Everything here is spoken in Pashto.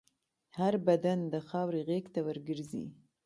هر بدن د خاورې غېږ ته ورګرځي.